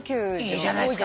いいじゃないっすか。